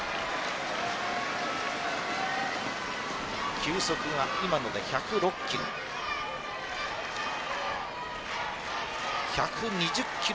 球速が今ので１０６ｋｍ。